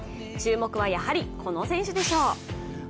注目は、やはりこの選手でしょう。